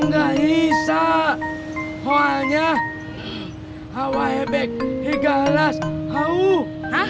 gak bisa soalnya rawa bebek tiga belas jauh